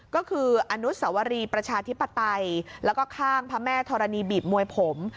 ก็คืออนุสวรีประชาธิปไตยแล้วก็ข้างพระแม่ธรณีบีบมวยผม